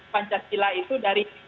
pancasila itu dari